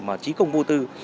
mà trí công vô tư